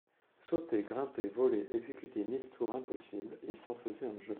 Sauter, grimper, voler, exécuter mille tours impossibles, il s’en faisait un jeu.